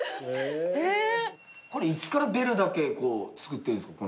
これいつからベルだけ作ってるんですか？